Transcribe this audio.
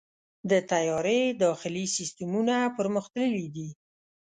د طیارې داخلي سیستمونه پرمختللي دي.